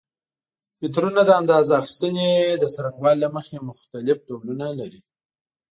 مترونه د اندازه اخیستنې د څرنګوالي له مخې مختلف ډولونه لري.